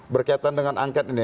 berkaitan dengan angket ini